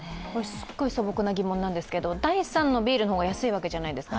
すごい素朴な疑問なんですが、第３のビールの方が安いわけじゃないですか。